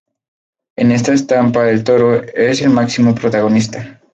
En esta estampa el toro es el máximo protagonista.